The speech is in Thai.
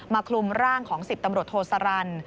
คลุมร่างของ๑๐ตำรวจโทสรร